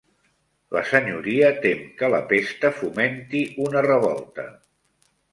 La Senyoria tem que la pesta fomenti una revolta.